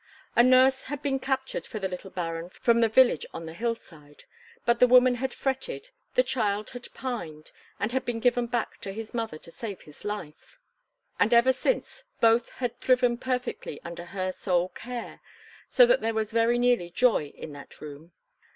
A nurse had been captured for the little Baron from the village on the hillside; but the woman had fretted, the child had pined, and had been given back to his mother to save his life; and ever since both had thriven perfectly under her sole care, so that there was very nearly joy in that room.